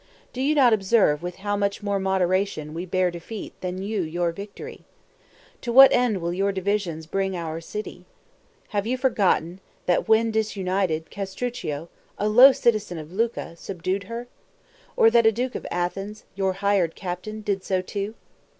Do you not observe with how much more moderation we bear defeat than you your victory? To what end will your divisions bring our city? Have you forgotten that when disunited Castruccio, a low citizen of Lucca, subdued her? or that a duke of Athens, your hired captain did so too?